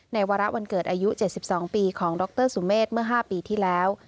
วาระวันเกิดอายุ๗๒ปีของดรสุเมฆเมื่อ๕ปีที่แล้ว